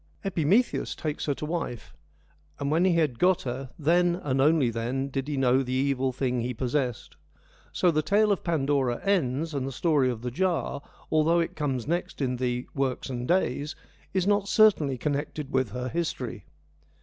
Epimetheus takes her to wife, and when he had got her, ' then and then only did he know the evil thing he possessed.' So the tale of Pandora ends, and the story of the Jar, although it comes next in the ' Works and Days,' is not certainly connected with her history.